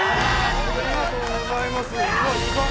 ありがとうございます、うわ、意外。